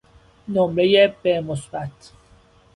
نمرهی ب مثبت